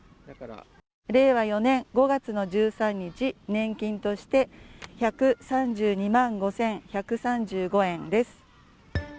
令和４年５月１３日、年金として１３２万５１３５円です。